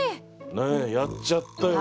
やっちゃったよ。